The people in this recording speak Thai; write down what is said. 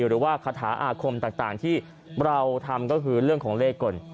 หรือว่าคาถาอาคมต่างที่เราทำก็คือเรื่องของเลขก่อน